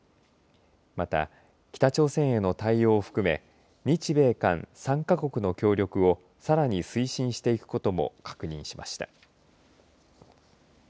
また、北朝鮮への対応を含め日米韓３か国の協力をさらに推進していくことも確認しました。